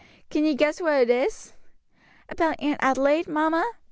Can you guess what it is?" "About Aunt Adelaide, mamma?"